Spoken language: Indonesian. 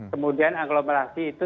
kemudian aglomerasi itu